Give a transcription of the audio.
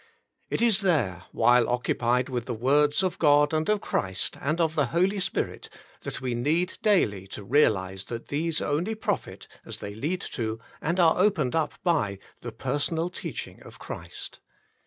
It is there, while occupied with the words of God and of Christ and of the Holy Spirit, that we need daily to realise that these only profit as they lead to, and are opened up by, the personal teaching of Christ.